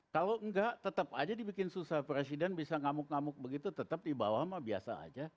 kalau enggak tetap aja dibikin susah presiden bisa ngamuk ngamuk begitu tetap di bawah mah biasa aja